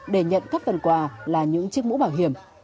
để nhận các phần quà là những chiếc mũ bảo hiểm